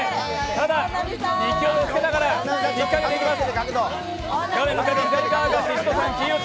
ただ、勢いをつけながら引っかけていきます。